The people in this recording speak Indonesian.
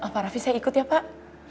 pak rafi saya ikut ya pak